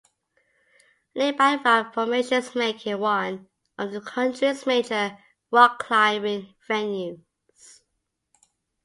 Nearby rock formations make it one of the country's major rock climbing venues.